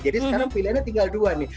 jadi sekarang pilihannya tinggal dua nih